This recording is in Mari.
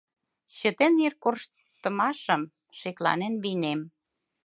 Чытен ир корштымашым, шекланен вийнем.